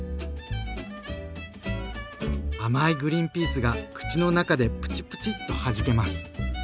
甘いグリンピースが口の中でプチプチッとはじけます。